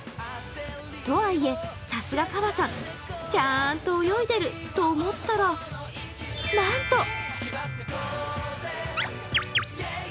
とはいえ、さすがかばさん、ちゃんと泳いでると思ったら、なんと！